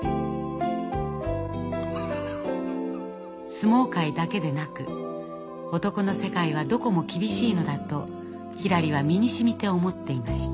相撲界だけでなく男の世界はどこも厳しいのだとひらりは身にしみて思っていました。